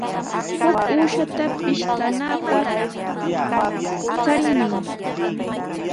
Huk uushata pishtanapaq charimuy.